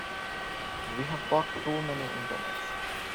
We've got too many Internets.